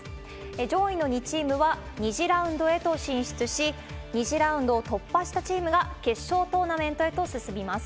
上位の２チームは２次ラウンドへと進出し、２次ラウンドを突破したチームが決勝トーナメントへと進みます。